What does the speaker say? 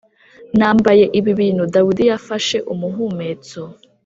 nambaye ibi bintu Dawidi yafashe umuhumetso